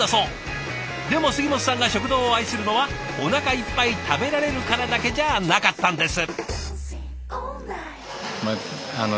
でも杉本さんが食堂を愛するのはおなかいっぱい食べられるからだけじゃなかったんです。